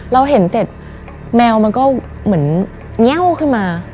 เราเห็นเสร็จแมวมันก็เหมือนแง่วขึ้นมา